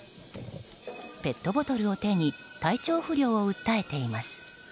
ペットボトルを手に体調不良を訴えています。